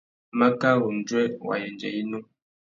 Makâ râ undjuê wa yêndzê yinú.